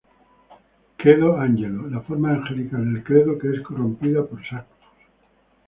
Credo Angelo: La forma angelical de Credo, que es corrompida por Sanctus.